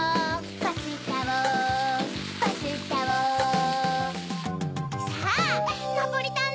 パスタをパスタをさぁナポリタン